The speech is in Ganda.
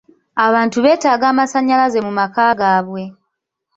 Abantu beetaaga amasanyalaze mu maka gaabwe.